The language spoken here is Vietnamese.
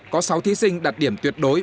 có sáu thí sinh đạt điểm tuyệt vời